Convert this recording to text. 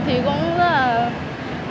thì cũng rất là